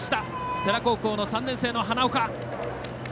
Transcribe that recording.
世羅高校の３年生、花岡。